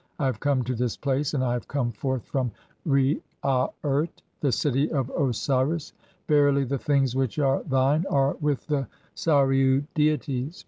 I have come to this [place], "and I have come forth from Re aa urt (17) the city of Osiris. "Verily the things which are thine are with the Sarin deities.